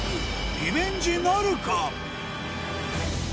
リベンジなるか？